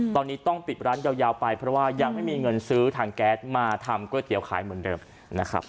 ตอนนี้ต้องปิดร้านยาวไปเพราะว่ายังไม่มีเงินซื้อถังแก๊สมาทำก๋วยเตี๋ยวขายเหมือนเดิมนะครับ